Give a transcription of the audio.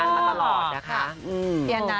จริงแล้วไม่น่าเป็นห่วงเลยค่ะพ่อ